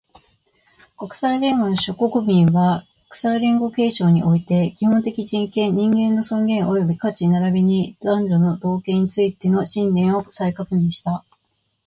国際連合の諸国民は、国際連合憲章において、基本的人権、人間の尊厳及び価値並びに男女の同権についての信念を再確認した